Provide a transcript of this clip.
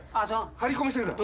張り込みしてるから。